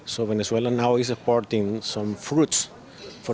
jadi venezuela sekarang mendukung banyak